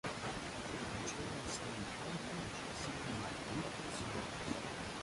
The children spend all of lunch singing my beautiful songs.